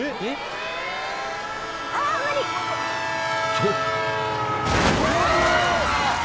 ［と］